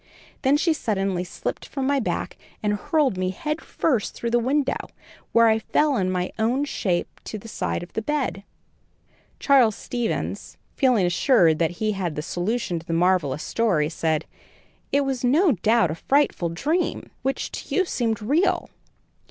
Then she suddenly slipped from my back and hurled me head first through the window, where I fell in my own shape by the side of the bed." Charles Stevens, feeling assured that he had a solution to the marvellous story, said: "It was no doubt a frightful dream, which to you seemed real."